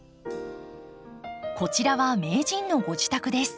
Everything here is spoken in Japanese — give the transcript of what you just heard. こちらは名人のご自宅です。